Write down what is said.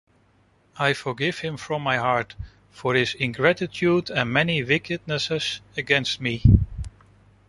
I forgive him from my heart for his ingratitude and many wickednesses against me.